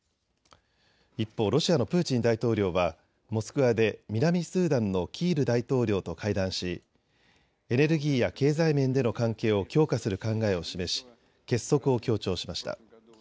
一方、ロシアのプーチン大統領はモスクワで南スーダンのキール大統領と会談しエネルギーや経済面での関係を強化する考えを示し結束を強調しました。